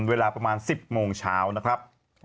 เวลาประมาณ๑๐โมงเช้านะครับ